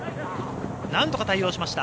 なんとか対応しました。